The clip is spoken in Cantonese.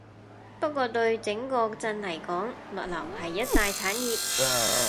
不過對整個鎮嚟講，物流係一大產業